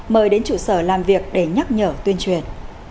mời đến trụ sở làm việc để nhắc nhở tuyên truyền